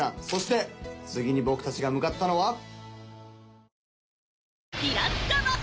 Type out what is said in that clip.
そして次に僕たちが向かったのは